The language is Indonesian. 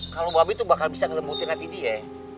kalo babi tuh bakal bisa ngelembutin hati dia